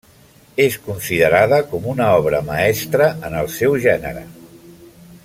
És considerada com una obra mestra en el seu gènere.